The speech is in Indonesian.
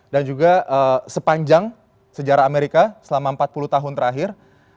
dan juga sepanjang sejarah amerika selama empat puluh tahun terakhir